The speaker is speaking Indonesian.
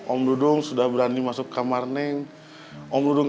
ong dudung razieh ada kayak apa dochok printers kita tapi kacau premier saya